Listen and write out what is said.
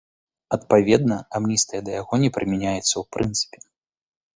Адпаведна, амністыя да яго не прымяняецца ў прынцыпе.